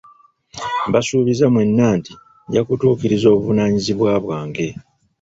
Mbasuubiza mwenna nti njakutuukiriza obuvunanyizibwa bwange.